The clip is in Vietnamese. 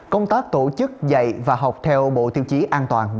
công tác tổ chức dạy và học theo bộ tiêu chí an toàn